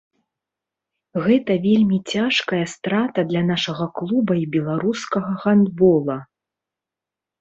Гэта вельмі цяжкая страта для нашага клуба і беларускага гандбола.